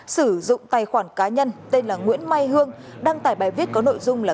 sử dụng tài khoản cá nhân tên là nguyễn mai hương đăng tải bài viết có nội dung là